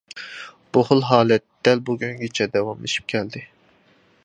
بۇ خىل ھالەت دەل بۈگۈنگىچە داۋاملىشىپ كەلدى.